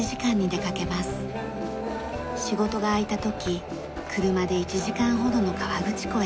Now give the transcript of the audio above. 仕事が空いた時車で１時間ほどの河口湖へ。